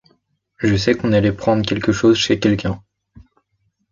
Je sais qu’on allait prendre quelque chose chez quelqu’un.